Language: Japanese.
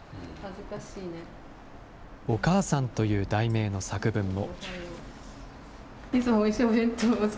おかあさんという題名の作文も。